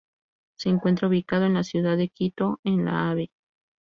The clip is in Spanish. Se encuentra ubicado en la ciudad de Quito, en la Av.